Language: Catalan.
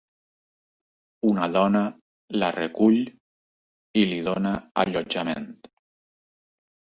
Una dona la recull i li dóna allotjament.